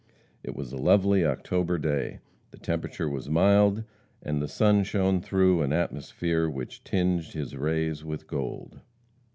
It was a lovely October day. The temperature was mild, and the sun shone through an atmosphere which tinged his rays with gold.